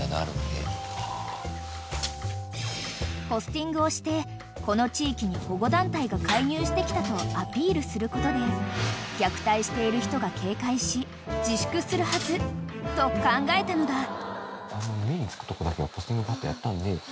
［ポスティングをしてこの地域に保護団体が介入してきたとアピールすることで虐待している人が警戒し自粛するはずと考えたのだ］